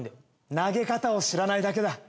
投げ方を知らないだけだ。